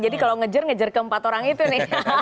jadi kalau ngejar ngejar ke empat orang itu nih